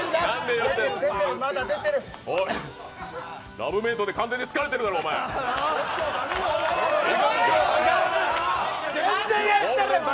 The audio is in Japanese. ラブメイトで完全に疲れてるだろう、おまえ。